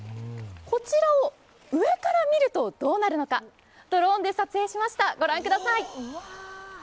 こちらを上から見るとどうなるのか、ドローンで撮影しました。